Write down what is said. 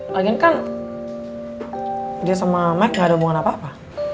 lagian kan dia sama mic gak ada hubungan apa apa